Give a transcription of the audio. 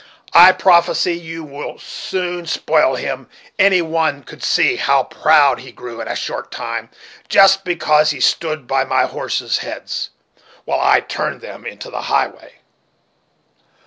I prophesy you will soon spoil him; any one could see how proud he grew, in a short time, just because he stood by my horses' heads while I turned them into the highway."